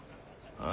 あ